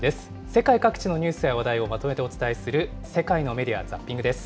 世界各地のニュースや話題をまとめてお伝えする、世界のメディア・ザッピングです。